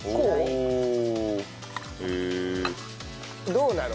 どうなの？